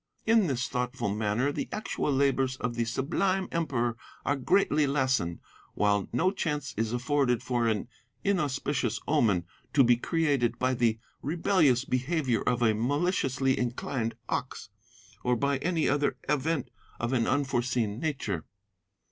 In this thoughtful manner the actual labours of the sublime Emperor are greatly lessened, while no chance is afforded for an inauspicious omen to be created by the rebellious behaviour of a maliciously inclined ox, or by any other event of an unforeseen nature.